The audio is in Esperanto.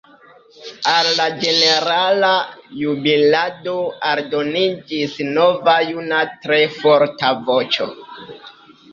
Al la ĝenerala jubilado aldoniĝis nova juna tre forta voĉo.